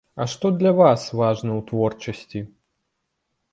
А што для вас важна ў творчасці?